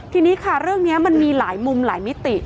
ทีนี้ค่ะเรื่องนี้มันมีหลายมุมหลายมิติ